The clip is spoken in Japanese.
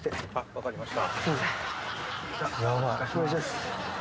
分かりました。